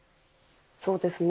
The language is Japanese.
そうですね。